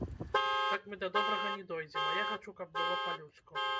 Так мы да добрага не дойдзем, а я хачу, каб было па-людску.